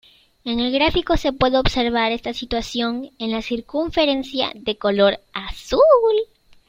En el gráfico se puede observar esta situación en la circunferencia de color azul.